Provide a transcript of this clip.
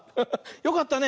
よかったね。